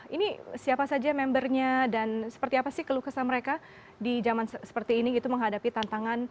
ini siapa saja membernya dan seperti apa sih kelukesan mereka di zaman seperti ini gitu menghadapi tantangan